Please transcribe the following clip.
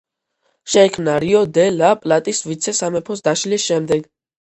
შეიქმნა რიო-დე-ლა-პლატის ვიცე-სამეფოს დაშლის შემდეგ.